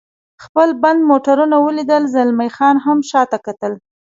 خپل بند موټرونه ولیدل، زلمی خان هم شاته کتل.